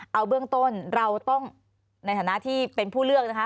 เอาเบื้องต้นเราต้องในฐานะที่เป็นผู้เลือกนะคะ